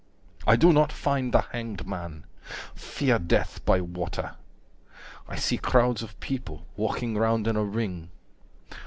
I do not find The Hanged Man. Fear death by water. 55 I see crowds of people, walking round in a ring.